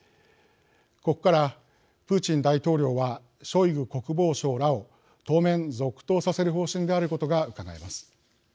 ここからプーチン大統領はショイグ国防相らを当面続投させる方針であることがうかがえます。